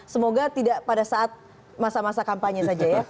semoga tidak pada saat masa masa kampanye saja ya